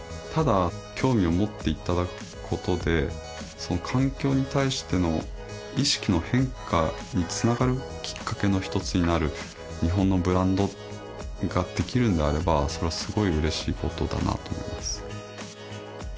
ただ興味を持っていただくことでその環境に対しての意識の変化につながるきっかけの一つになる日本のブランドができるんであればそれはすごい嬉しいことだなと思います